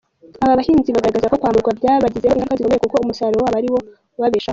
Aba bahinzi bagaragaza ko kwamburwa byabagizeho ingaruka zikomeye kuko umusaruro wabo ari wo ubabeshaho.